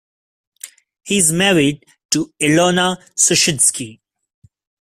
He is married to Ilona Suschitzky.